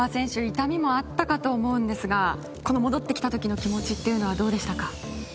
痛みもあったかと思うのですが戻ってきた時の気持ちっていうのはどうでしたか？